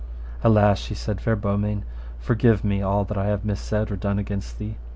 Alas, she said, fair Beaumains, forgive me all that I have missaid or done against thee.